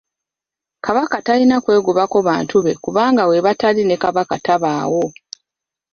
Kabaka talina kwegobako bantu be kubanga webatali ne Kabaka tabaawo.